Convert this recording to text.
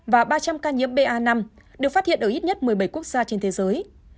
và ba trăm linh ca nhiễm ba năm được phát hiện ở ít nhất một mươi bảy quốc gia trên thế giới